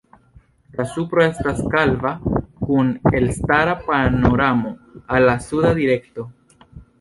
La supro estas kalva kun elstara panoramo al la suda direkto.